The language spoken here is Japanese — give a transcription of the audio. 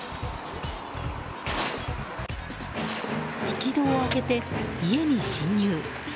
引き戸を開けて家に侵入。